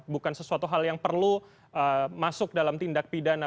bukan sesuatu hal yang perlu masuk dalam tindak pidana